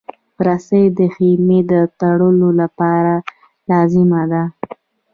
رسۍ د خېمې د تړلو لپاره لازمه ده.